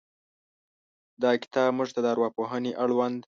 دا کتاب موږ ته د ارواپوهنې اړوند